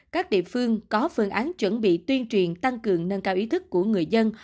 các địa phương có phương án chuẩn bị tuyên truyền tăng cường nâng cao ý thức của người dân